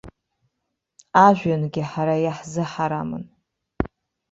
Ажәҩангьы ҳара иаҳзыҳарамын.